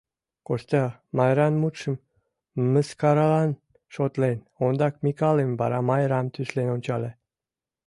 Костя, Майран мутшым мыскаралан шотлен, ондак Микалым, вара Майрам тӱслен ончале.